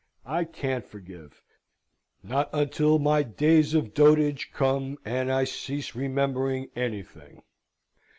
I can't forgive; not until my days of dotage come, and I cease remembering anything.